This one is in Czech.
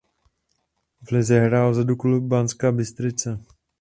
V lize hrál za Duklu Banská Bystrica.